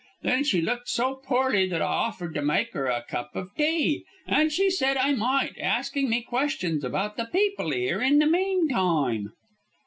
Then she looked so poorly that I offered to make 'er a cup of tea, and she said I might, asking me questions about the people 'ere in the meantime."